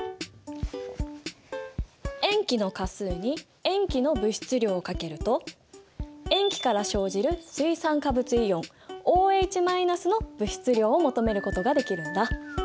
塩基の価数に塩基の物質量を掛けると塩基から生じる水酸化物イオンＯＨの物質量を求めることができるんだ。